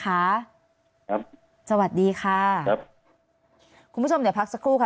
สวัสดีค่ะครับคุณผู้ชมเดี๋ยวพักสักครู่ค่ะ